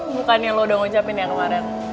mukanya lo udah ngucapin ya kemarin